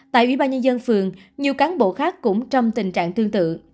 tại ubnd phường nhiều cán bộ khác cũng trong tình trạng tương tự